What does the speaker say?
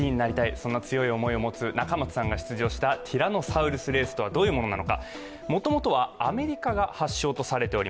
そんな強い思いを持つ中松さんが出場したティラノサウルスレースとはどういうものなのか。